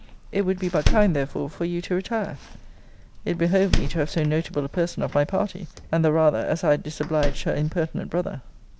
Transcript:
It would be but kind therefore for you to retire. It behoved me to have so notable a person of my party; and the rather as I had disobliged her impertinent brother.